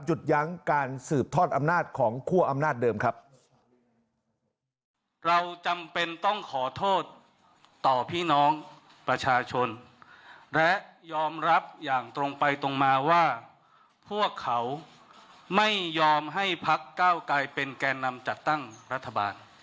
ยั้งการสืบทอดอำนาจของคั่วอำนาจเดิมครับ